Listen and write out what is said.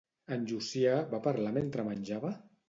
En Llucià va parlar mentre menjava?